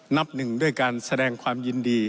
นับหนึ่งด้วยการแสดงความยินดี